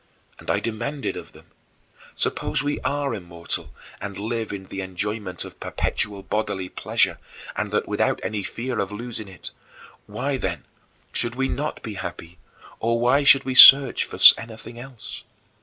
And I demanded of them: "Suppose we are immortal and live in the enjoyment of perpetual bodily pleasure, and that without any fear of losing it why, then, should we not be happy, or why should we search for anything else?"